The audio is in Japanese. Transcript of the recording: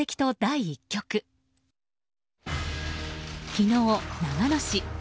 昨日、長野市。